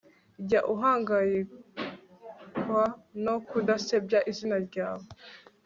jya uhangayikwa no kudasebya izina ryawe